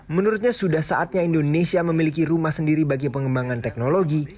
menurutnya sudah saatnya indonesia memiliki rumah sendiri bagi pengembangan teknologi